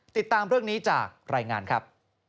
ติดตามเรื่องนี้จากรายงานครับ